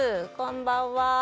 こんばんは。